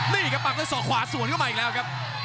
นี่ครับปักด้วยศอกขวาสวนเข้ามาอีกแล้วครับ